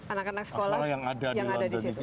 anak anak sekolah yang ada di london itu